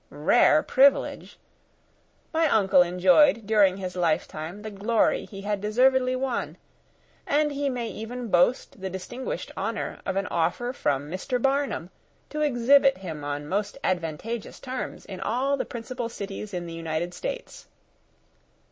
Rare privilege! my uncle enjoyed during his lifetime the glory he had deservedly won; and he may even boast the distinguished honour of an offer from Mr. Barnum, to exhibit him on most advantageous terms in all the principal cities in the United States!